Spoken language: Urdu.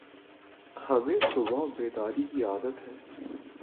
ہمیں صبح بیداری کی عادت ہے ۔